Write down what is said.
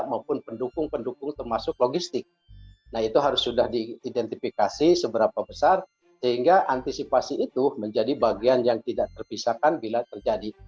maupun pendukung pendukung termasuk logistik nah itu harus sudah diidentifikasi seberapa besar sehingga antisipasi itu menjadi bagian yang tidak terpisahkan bila terjadi